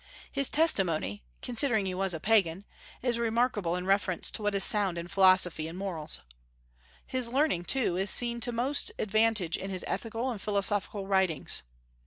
His testimony, considering he was a pagan, is remarkable in reference to what is sound in philosophy and morals. His learning, too, is seen to most advantage in his ethical and philosophical writings.